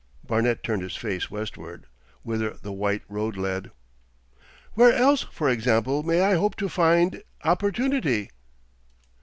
_' Barnet turned his face westward, whither the white road led. 'Where else, for example, may I hope to find—opportunity?